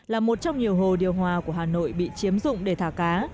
là một trong nhiều hồ điều hòa của hà nội bị chiếm dụng để thả cá